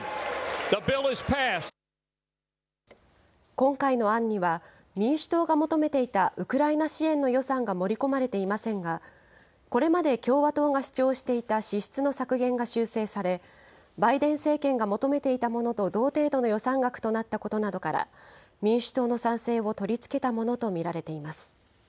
今回の案には、民主党が求めていたウクライナ支援の予算が盛り込まれていませんが、これまで共和党が主張していた支出の削減が修正され、バイデン政権が求めていたものと同程度の予算額となったことなどから、民主党の賛成を取り付けたものと見られています。